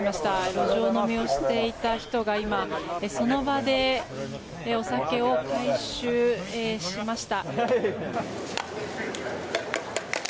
路上飲みをしていた人が今、その場でお酒を回収しました。